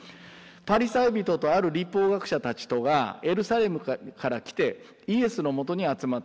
パリサイ人とある律法学者たちとがエルサレムから来てイエスのもとに集まった。